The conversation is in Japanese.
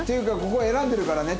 ここ選んでるからね